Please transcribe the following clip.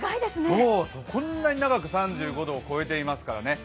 こんなに長く３５度を超えていますからね。